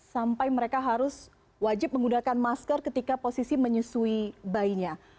sampai mereka harus wajib menggunakan masker ketika posisi menyusui bayinya